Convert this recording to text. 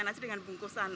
nasi dengan bungkusan